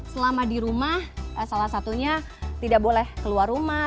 selama di rumah salah satunya tidak boleh keluar rumah